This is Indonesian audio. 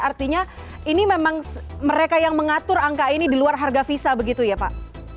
artinya ini memang mereka yang mengatur angka ini di luar harga visa begitu ya pak